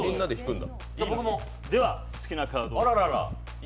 では好きなカードを。